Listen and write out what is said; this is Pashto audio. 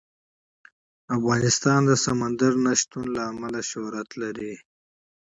افغانستان د سمندر نه شتون له امله شهرت لري.